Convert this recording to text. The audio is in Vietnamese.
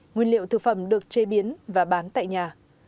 nguyên liệu thực phẩm được chế biến và bán tại nhà